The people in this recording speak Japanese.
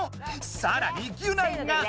さらにギュナイが。